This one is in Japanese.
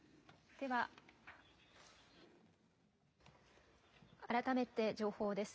では、改めて情報です。